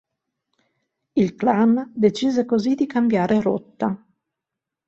Il Clan decise così di cambiare rotta.